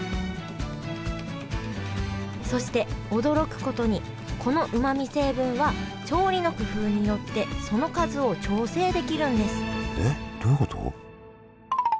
そして驚くことにこのうまみ成分は調理の工夫によってその数を調整できるんですえっどういうこと？